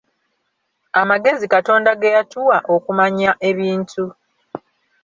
Amagezi Katonda ge yatuwa okumanya ebintu.